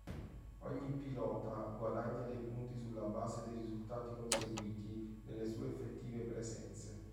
Ogni pilota guadagna dei punti sulla base dei risultati conseguiti nelle sue effettive presenze.